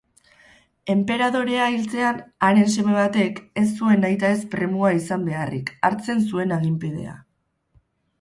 Enperadorea hiltzean, haren seme batek, ez zuen nahitaez premua izan beharrik, hartzen zuen aginpidea